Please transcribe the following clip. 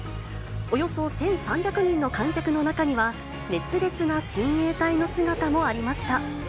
およそ１３００人の観客の中には、熱烈な親衛隊の姿もありました。